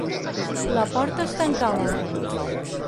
La porta es tancava.